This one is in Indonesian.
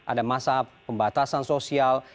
ada masa pembatasan sosial